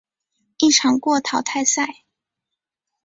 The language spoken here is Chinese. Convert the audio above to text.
一场过淘汰赛。